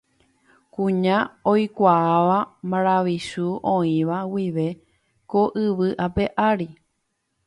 Kuña oikuaáva maravichu oĩva guive ko yvy ape ári.